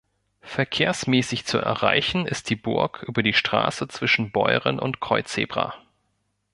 Verkehrsmäßig zu erreichen ist die Burg über die Straße zwischen Beuren und Kreuzebra.